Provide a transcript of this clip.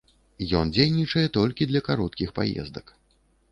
Ён дзейнічае толькі для кароткіх паездак.